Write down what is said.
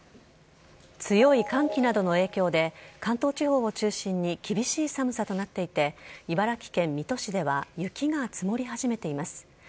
強い寒気などの影響で、関東地方を中心に、厳しい寒さとなっていて、茨城県水戸市では雪が積もり始めています。